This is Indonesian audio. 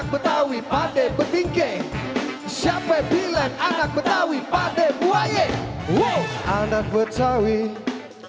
ketinggalan zaman katanya